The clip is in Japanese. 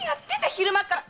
昼間から。